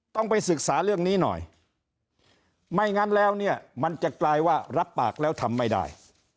ต้องไปศึกษาเรื่องนี้หน่อยไม่งั้นแล้วเนี่ยมันจะกลายว่ารับปากแล้วทำไม่ได้